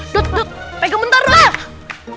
dodot pegang bentar dong